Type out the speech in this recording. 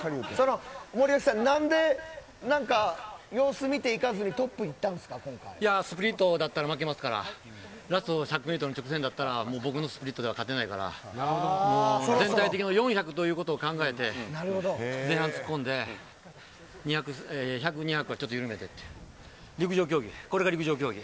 森脇さん何で様子見ていかずにスプリットだったら負けますからラスト１００メートル直線なら僕のスプリントでは勝てないから全体的に４００ということを考えて前半突っ込んで１００、２００は緩めて陸上競技。